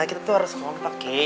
kita tuh harus kompak kei